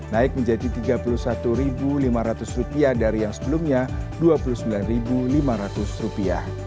naik menjadi rp tiga puluh satu lima ratus dari yang sebelumnya rp dua puluh sembilan lima ratus